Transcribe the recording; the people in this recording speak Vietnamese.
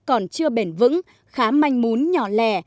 còn chưa bền vững khá manh mún nhỏ lè